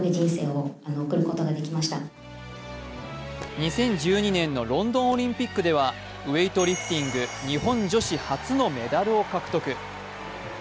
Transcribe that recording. ２０１２年のロンドンオリンピックではウエイトリフティング日本女子初のメダルを獲得。